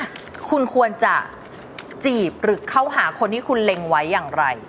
ว่าคุณควรจะจีบหรือเข้าหาคนที่คุณเล็งไว้อย่างไร